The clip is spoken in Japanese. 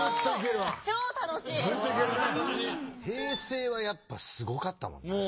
平成はやっぱすごかったもんな。